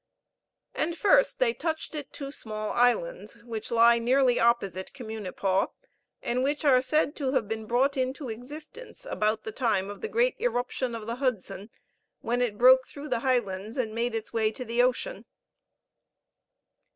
And first they touched at two small islands which lie nearly opposite Communipaw, and which are said to have been brought into existence about the time of the great irruption of the Hudson, when it broke through the Highlands and made its way to the ocean.